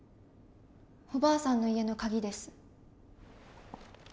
おばあさんの家のカギです。